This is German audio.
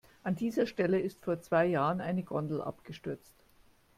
An dieser Stelle ist vor zwei Jahren eine Gondel abgestürzt.